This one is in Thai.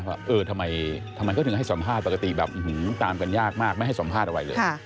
ว่าเออทำไมเขาถึงให้สัมภาษณ์ปกติแบบตามกันยากมากไม่ให้สัมภาษณ์อะไรเลย